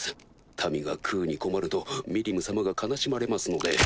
民が食うに困るとミリム様が悲しまれますので。